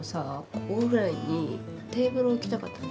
ここぐらいにテーブル置きたかったの。